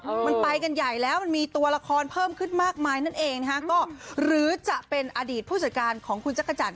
มันไปกันใหญ่แล้วมันมีตัวละครเพิ่มขึ้นมากมายนั่นเองนะฮะก็หรือจะเป็นอดีตผู้จัดการของคุณจักรจันท